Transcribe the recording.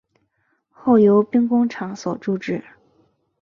后由兵工厂所铸制。